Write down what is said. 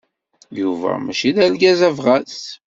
Yuba mačči d argaz abɣas.